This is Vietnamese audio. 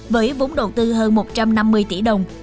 với vốn đầu tư hơn một trăm năm mươi tỷ đồng